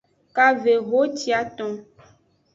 Kavehociton.